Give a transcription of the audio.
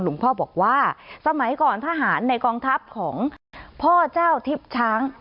พ่อบอกว่าสมัยก่อนทหารในกองทัพของพ่อเจ้าทิพย์ช้าง